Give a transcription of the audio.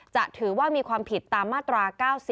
ถือว่ามีความผิดตามมาตรา๙๔